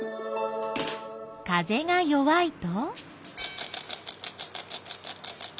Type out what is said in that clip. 風が弱いと？